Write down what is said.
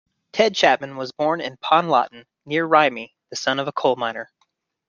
Ted Chapman was born in Pontlottyn, near Rhymney, the son of a coal miner.